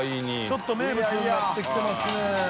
ちょっと名物になってきてますね。）